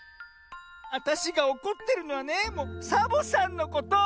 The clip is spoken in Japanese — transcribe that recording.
わたしがおこってるのはねサボさんのこと。